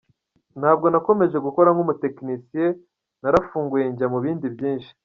Ntabwo nakomeje gukora nk’umutekinisiye, narafunguye njya mu bindi byinshi.